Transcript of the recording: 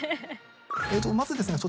まずですね